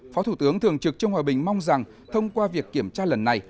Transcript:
phó thủ tướng thường trực trương hòa bình mong rằng thông qua việc kiểm tra lần này